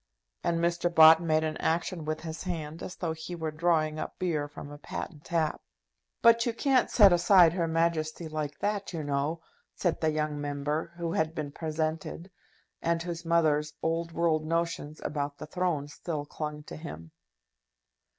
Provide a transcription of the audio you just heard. And Mr. Bott made an action with his hand as though he were drawing up beer from a patent tap. "But you can't set aside Her Majesty like that, you know," said the young Member, who had been presented, and whose mother's old world notions about the throne still clung to him.